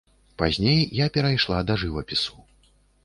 Пазней я перайшла да жывапісу.